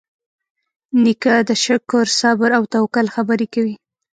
نیکه د شکر، صبر، او توکل خبرې کوي.